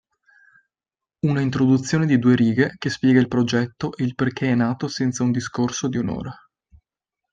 Una introduzione di due righe che spiega il progetto e il perché è nato senza un discorso di un'ora.